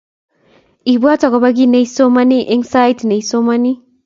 Ibwat akoba kiy neisomani eng sait neisomani